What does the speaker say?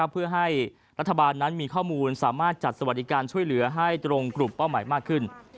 เพื่อให้รัฐบาลนั้นมีข้อมูลสามารถจัดสวัสดิการช่วยเหลือให้ตรงกลุ่มเป้าหมายมากขึ้น